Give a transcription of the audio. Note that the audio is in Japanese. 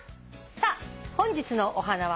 さあ本日のお花は。